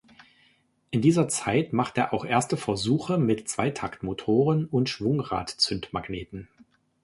In dieser Zeit macht er auch erste Versuche mit Zweitaktmotoren und Schwungrad-Zündmagneten.